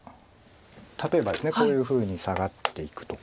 例えばですねこういうふうにサガっていくとか。